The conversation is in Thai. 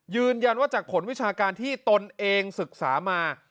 ยืนยันว่าจากผลวิชาการที่ตนเองศึกษามา